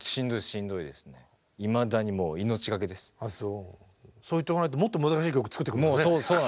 しんどいですねそう言っとかないともっと難しい曲作ってくるもんね。